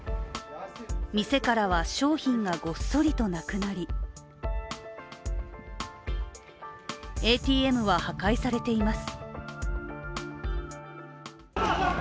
店からは商品がごっそりとなくなりＡＴＭは破壊されています。